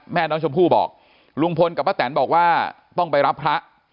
แม่น้องชมพู่บอกลุงพลกับป้าแตนบอกว่าต้องไปรับพระ